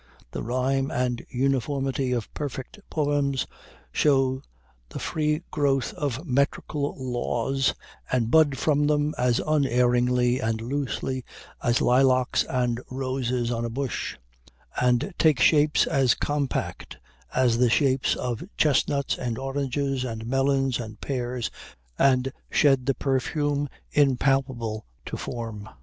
The rhyme and uniformity of perfect poems show the free growth of metrical laws, and bud from them as unerringly and loosely as lilacs and roses on a bush, and take shapes as compact as the shapes of chestnuts and oranges, and melons and pears, and shed the perfume impalpable to form.